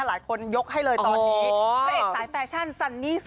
หลายคนยกให้เลยตอนนี้